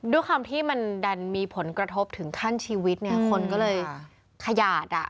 ด้วยความที่มันดันมีผลกระทบถึงขั้นชีวิตเนี่ยคนก็เลยขยาดอ่ะ